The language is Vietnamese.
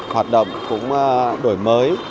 hoạt động đổi mới